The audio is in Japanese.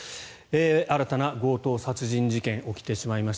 新たな強盗殺人事件が起きてしまいました。